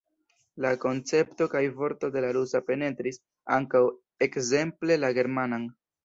La koncepto kaj vorto de la rusa penetris ankaŭ ekzemple la germanan.